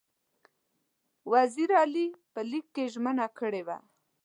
وزیر علي په لیک کې ژمنه کړې وه.